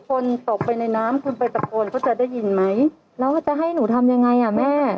คนตกไปในน้ำคุณไปตะโกนเขาจะได้ยินไหมแล้วเขาจะให้หนูทำยังไงอ่ะแม่